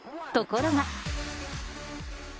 ところが。